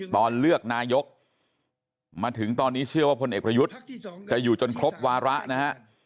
ตอนเลือกนายกมาถึงตอนนี้เชื่อว่าพลเอกประยุทธ์จะอยู่จนครบวาระนะฮะ